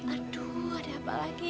aduh ada apa lagi